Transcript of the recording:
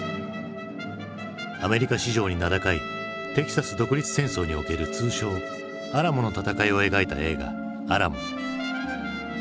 アメリカ史上に名高いテキサス独立戦争における通称アラモの戦いを描いた映画「アラモ」。